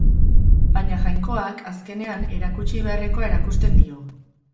Baina Jainkoak, azkenean, erakutsi beharrekoa erakusten dio.